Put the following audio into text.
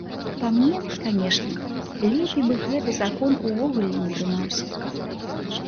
Па мне, канешне, лепей бы гэты закон увогуле не прымаўся.